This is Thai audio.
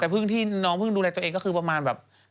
แต่เพิ่งที่น้องเพิ่งดูแลตัวเองก็คือประมาณแบบ